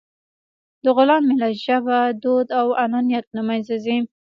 د غلام ملت ژبه، دود او عنعنات له منځه ځي.